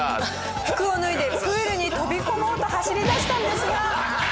服を脱いでプールに飛び込もうと走りだしたんですが。